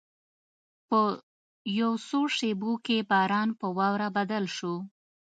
په یو څو شېبو کې باران په واوره بدل شو.